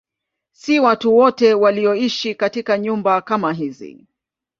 Si watu wote walioishi katika nyumba kama hizi.